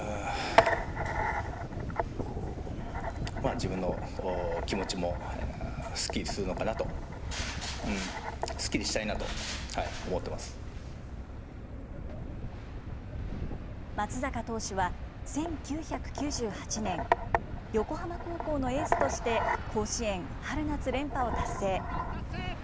自分の気持ちもすっきりするのかな、松坂投手は、１９９８年、横浜高校のエースとして甲子園春夏連覇を達成。